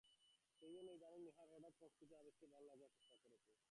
সেইজন্য ইদানীং নীহারের হঠাৎ সংস্কৃত আবৃত্তিকে ভালো লাগাবার চেষ্টা করত।